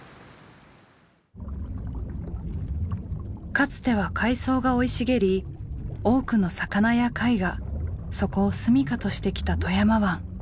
かつては海藻が生い茂り多くの魚や貝がそこを住みかとしてきた富山湾。